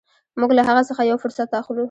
موږ له هغه څخه یو فرصت اخلو.